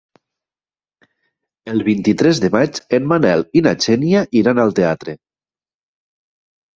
El vint-i-tres de maig en Manel i na Xènia iran al teatre.